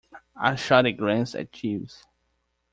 I shot a glance at Jeeves.